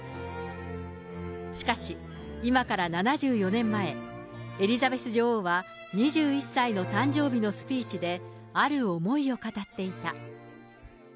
しかし今から７４年前、エリザベス女王は２１歳の誕生日のスピーチで、ある思いを語っていた。